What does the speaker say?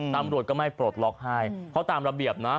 ตำรวจก็ไม่ปลดล็อกให้เพราะตามระเบียบนะ